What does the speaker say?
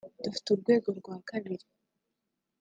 Dufite urwego rwa kabiri